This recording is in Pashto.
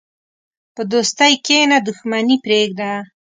په دوستۍ کښېنه، دښمني پرېږده.